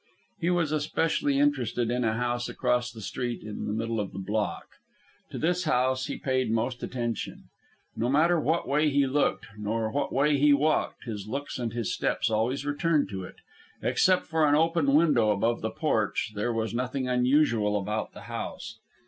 He was especially interested in a house across the street in the middle of the block. To this house he paid most attention. No matter what way he looked, nor what way he walked, his looks and his steps always returned to it. Except for an open window above the porch, there was nothing unusual about the house.